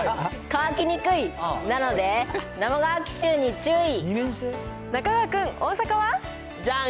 乾きにくい、なので生乾き臭に注意。